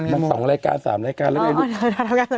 ละ๒รายการ๓รายการแล้วลูก